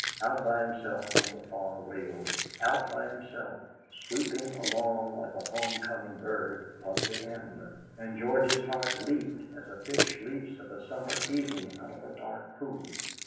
Out by himself on the far rails, out by himself, sweeping along like a home coming bird, was the Ambler. And George's heart leaped, as a fish leaps of a summer evening out of a dark pool.